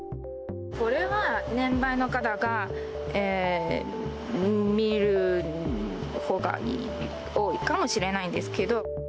これは年配の方が見るほうが多いかもしれないんですけど。